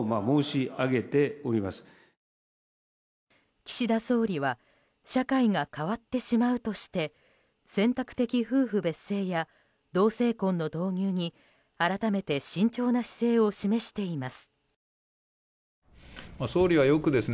岸田総理は社会が変わってしまうとして選択的夫婦別姓や同性婚の導入に改めて慎重な姿勢を示しています。